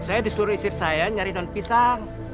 saya disuruh istri saya nyari daun pisang